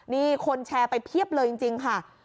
นี่คนแชร์ไปเพียบเลยจริงค่ะ